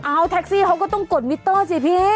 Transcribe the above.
เอาแท็กซี่เขาก็ต้องกดมิเตอร์สิพี่